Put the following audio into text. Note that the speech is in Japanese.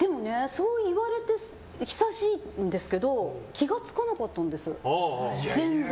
そう言われて久しいんですけど気が付かなかったんです、全然。